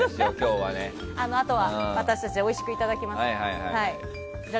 あとは私たちでおいしくいただきますね。